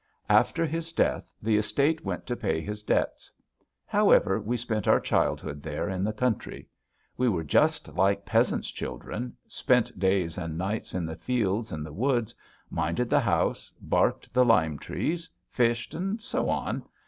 After his death the estate went to pay his debts. However, we spent our childhood there in the country. We were just like peasant's children, spent days and nights in the fields and the woods, minded the house, barked the lime trees, fished, and so on....